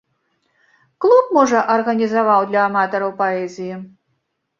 Клуб, можа, арганізаваў для аматараў паэзіі.